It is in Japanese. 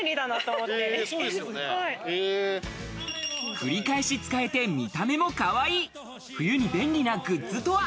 繰り返し使えて、見た目もかわいい、冬に便利なグッズとは？